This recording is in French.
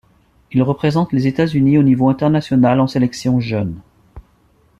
Il représente les États-Unis au niveau international en sélection jeune.